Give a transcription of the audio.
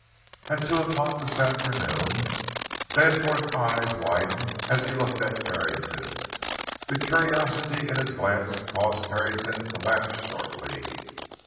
"At two o'clock this afternoon." Danforth's eyes widened as he looked at Carrington. The curiosity in his glance caused Carrington to laugh shortly.